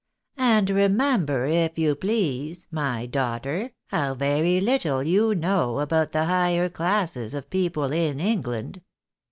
And remember, if you please, my daughter, how very Httle you know about the higher classes of people in England.